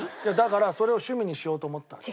だからそれを趣味にしようと思った。